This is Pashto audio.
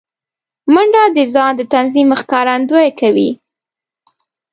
منډه د ځان د نظم ښکارندویي کوي